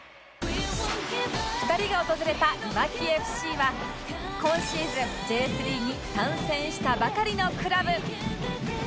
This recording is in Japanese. ２人が訪れたいわき ＦＣ は今シーズン Ｊ３ に参戦したばかりのクラブ